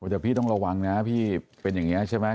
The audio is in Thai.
แต่พี่ต้องระวังนะพี่เป็นอย่างนี้ใช่ไหม